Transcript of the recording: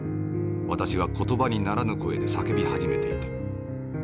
私は言葉にならぬ声で叫び始めていた。